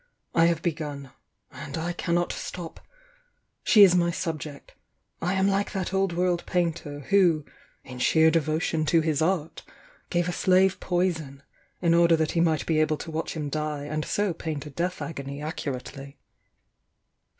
I have begun— and I cannot atop. She is my 8^bject, — I am like that old world painter, who, in sheer devotion to his art, gave a slave poison, in order that he might be able to watch him die and so paint a death agony accurately."